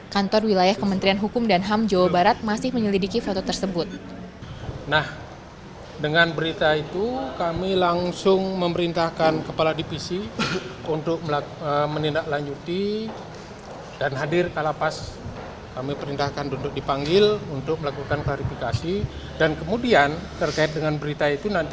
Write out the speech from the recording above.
kantor wilayah kementerian hukum dan ham jawa barat masih menyelidiki foto tersebut